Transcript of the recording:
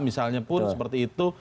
misalnya pun seperti itu